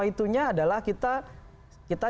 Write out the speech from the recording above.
itunya adalah kita